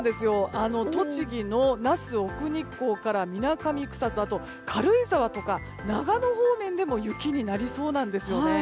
栃木の那須、奥日光からみなかみ、草津軽井沢とか長野方面でも雪になりそうなんですね。